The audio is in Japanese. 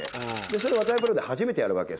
それを渡辺プロで初めてやるわけ。